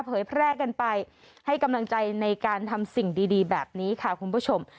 เผยแพร่กันไปให้กำลังใจในการทำสิ่งดีแบบนี้ค่ะคุณผู้ชม